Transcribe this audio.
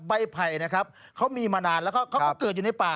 ไผ่นะครับเขามีมานานแล้วเขาก็เกิดอยู่ในป่า